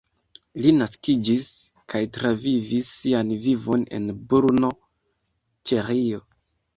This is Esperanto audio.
Li naskiĝis kaj travivis sian vivon en Brno, Ĉeĥio.